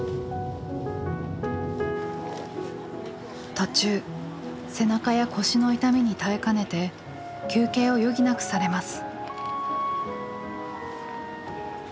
途中背中や腰の痛みに耐えかねて休憩を余儀なくされます。